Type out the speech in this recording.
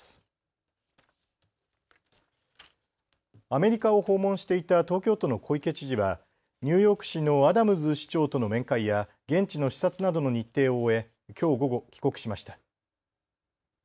アメリカを訪問していた東京都の小池知事はニューヨーク市のアダムズ市長との面会や現地の視察などの日程を終えきょう午後、帰国しました。